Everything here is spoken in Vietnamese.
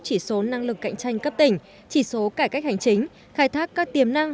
chỉ số năng lực cạnh tranh cấp tỉnh chỉ số cải cách hành chính khai thác các tiềm năng